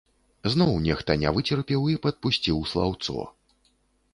Зноў нехта не выцерпеў і падпусціў слаўцо.